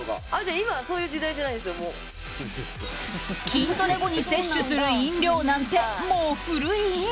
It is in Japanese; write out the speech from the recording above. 筋トレ後に摂取する飲料なんてもう古い？